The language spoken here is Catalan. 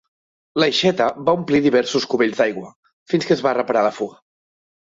L'aixeta va omplir diversos cubells d'aigua, fins que es va reparar la fuga.